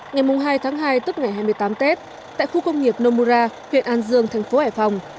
ngày hai tháng hai tức ngày hai mươi tám tết tại khu công nghiệp nomura huyện an dương thành phố hải phòng